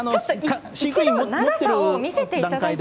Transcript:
飼育員持ってる段階で。